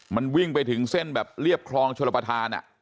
มันวิ่งไปถึงเส้นแบบเรียบคลองชลประธาน